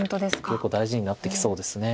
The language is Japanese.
結構大事になってきそうです。